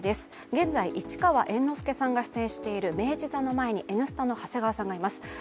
現在、市川猿之助さんが出演している明治座の前に「Ｎスタ」の長谷川さんがいます。